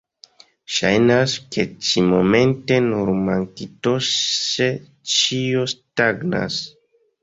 Ŝajnas, ke ĉi-momente nur makintoŝe ĉio stagnas.